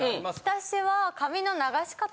私は。